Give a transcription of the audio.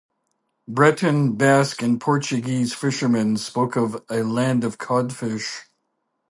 Breton, Basque, and Portuguese fishermen spoke of "a land of codfish".